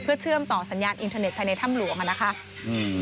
เพื่อเชื่อมต่อสัญญาณอินเทอร์เน็ตภายในถ้ำหลวงอ่ะนะคะอืม